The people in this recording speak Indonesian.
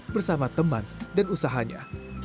bersama teman dan usahanya